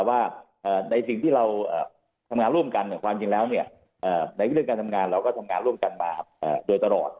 ว่าในสิ่งที่เราทำงานร่วมกันความจริงแล้วในเรื่องการทำงานเราก็ทำงานร่วมกันมาโดยตลอด